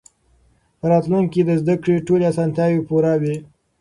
په راتلونکي کې به د زده کړې ټولې اسانتیاوې پوره وي.